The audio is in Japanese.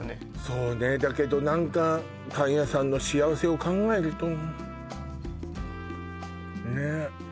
そうねえだけど何かパン屋さんの幸せを考えるとねえ